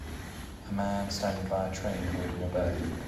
A man standing by a train holding a bird.